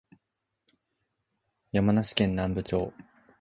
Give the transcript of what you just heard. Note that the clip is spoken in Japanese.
山梨県南部町